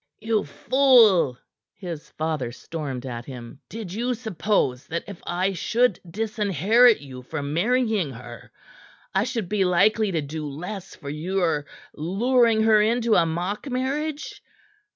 "You fool!" his father stormed at him, "did you suppose that if I should disinherit you for marrying her, I should be likely to do less for your luring her into a mock marriage?